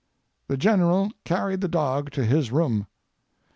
The General carried the dog to his room.